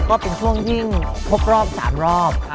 ก็เป็นช่วงที่พบรอบ๓รอบ